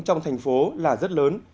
trong thành phố là rất lớn